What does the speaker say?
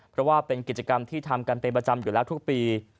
เพราะว่าเป็นกิจกรรมที่ทำกันเป็นประจำอยู่แล้วทุกปี